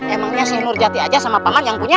emangnya nurjati saja sama paman yang punya